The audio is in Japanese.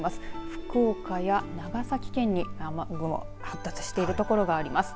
福岡や長崎県に雨雲、発達している所があります。